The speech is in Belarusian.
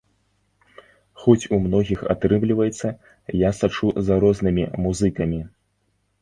Хоць у многіх атрымліваецца, я сачу за рознымі музыкамі.